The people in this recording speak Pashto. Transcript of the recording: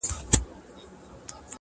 ستا شربتي سونډو ته _ بې حال پروت و _